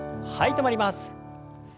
止まります。